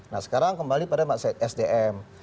nah sekarang kembali pada mindset sdm